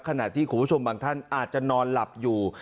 ขณะที่คุณผู้ชมบางท่านอาจจะนอนหลับอยู่